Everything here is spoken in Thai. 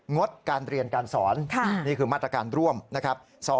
งดการเรียนการสอนนี่คือมาตรการร่วมนะครับ